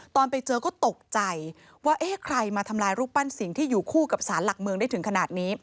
ตอนไปเจอก็ตกใจว่าเอ๊ะใครมาทำลายรูปปั้นสิ่งที่อยู่คู่กับสารหลักเมืองได้ถึงขนาดนี้